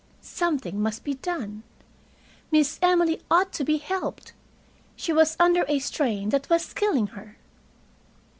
Something must be done. Miss Emily ought to be helped. She was under a strain that was killing her.